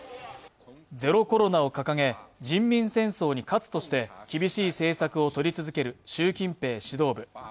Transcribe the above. ゼロコロナを掲げ、人民戦争に勝つとして厳しい政策をとり続ける習近平指導部。